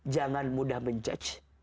jangan mudah menjudge